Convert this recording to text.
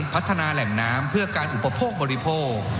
พัฒนาแหล่งน้ำเพื่อการอุปโภคบริโภค